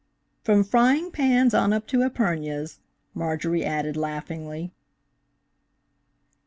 "From frying pans on up to épergnes," Marjorie added, laughingly.